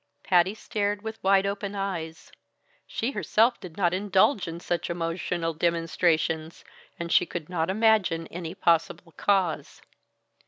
Patty stared with wide open eyes; she herself did not indulge in such emotional demonstrations, and she could not imagine any possible cause.